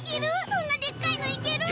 そんなでっかいのいける？